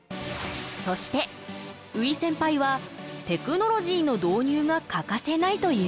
そして宇井センパイはテクノロジーの導入が欠かせないと言う。